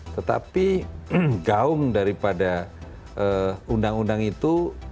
tetapi gaung daripada undang undang itu